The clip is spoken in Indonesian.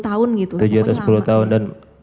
tahun gitu tujuh atau sepuluh tahun dan